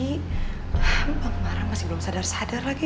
emang kemarin masih belum sadar sadar lagi